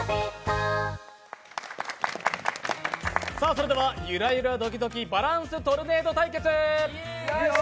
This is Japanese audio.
それでは「ゆらゆらドキドキバランストルネード」対決！